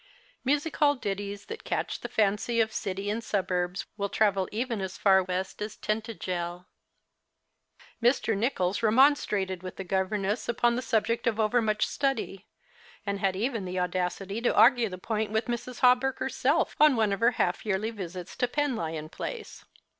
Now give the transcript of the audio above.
Music hall ditties that catch the fancy of city and subm bs will travel even as far west as Tintagel. Mr. Nicholls remonstrated with the governess upon the subject of over much study, and had even the audacity to argue the point with Mrs. Hawberk herself, on one of her half yearly visits to Penlyon Place.